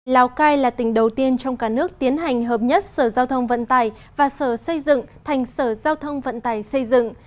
lào cai là tỉnh đầu tiên trong cả nước tiến hành hợp nhất sở giao thông vận tải và sở xây dựng thành sở giao thông vận tải xây dựng